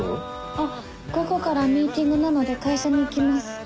あっ午後からミーティングなので会社に行きます。